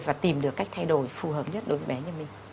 và tìm được cách thay đổi phù hợp nhất đối với bé như mình